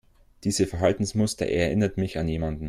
Diese Verhaltensmuster erinnert mich an jemanden.